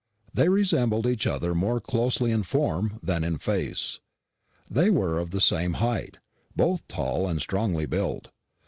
They resembled each other more closely in form than in face. They were of the same height both tall and strongly built.